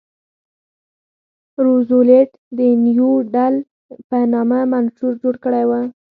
روزولټ د نیو ډیل په نامه منشور جوړ کړی و.